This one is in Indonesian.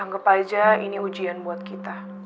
anggap aja ini ujian buat kita